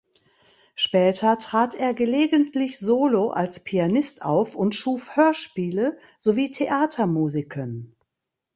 Später trat er gelegentlich solo als Pianist auf und schuf Hörspiele sowie Theatermusiken.